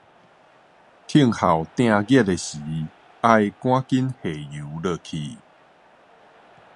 聽候鼎熱的時，愛趕緊下油落去